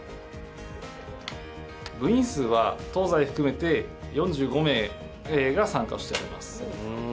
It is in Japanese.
部員数は東西含めて４５名が参加しております。